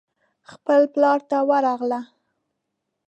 خپل پلار ته ورغله.